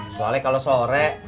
soalnya kalau sore